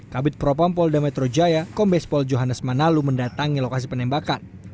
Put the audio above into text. kabit propam polda metro jaya kombes pol johannes manalu mendatangi lokasi penembakan